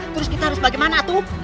terus kita harus bagaimana tuh